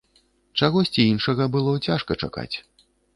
Чагосьці іншага было цяжка чакаць.